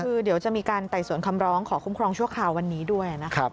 คือเดี๋ยวจะมีการไต่สวนคำร้องขอคุ้มครองชั่วคราววันนี้ด้วยนะครับ